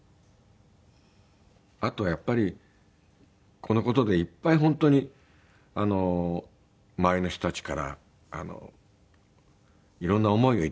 あとやっぱりこの事でいっぱい本当に周りの人たちからいろんな思いをいただいたので。